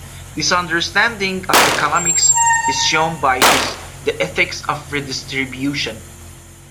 This understanding of economics is shown by his "The Ethics of Redistribution".